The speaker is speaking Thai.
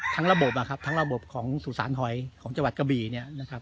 ระบบอะครับทั้งระบบของสุสานหอยของจังหวัดกะบี่เนี่ยนะครับ